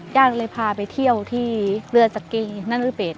ญาติเลยพาไปเที่ยวที่เรือสกีนั่นหรือเบส